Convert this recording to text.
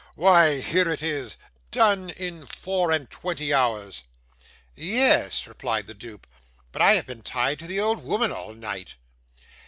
Why here it is, done in four and twenty hours.' 'Ye es,' replied the dupe. 'But I have been tied to the old woman all ni ight.